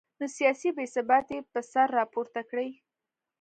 نو سیاسي بې ثباتي به سر راپورته کړي